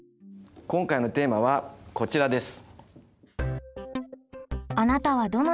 今回のテーマはこちらです！